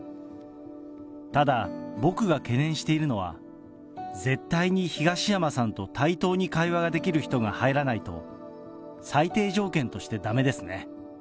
ただ、僕が懸念しているのは、絶対に東山さんと対等に会話ができる人が入らないと、最低条件としてだめですね。